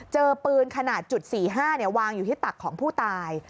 เจอปืนขนาดจุด๔๕วางอยู่ที่ตักของผู้ตาย